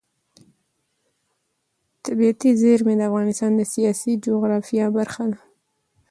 طبیعي زیرمې د افغانستان د سیاسي جغرافیه برخه ده.